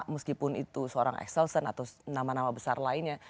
meskipun itu seorang excelson atau nama nama besar lainnya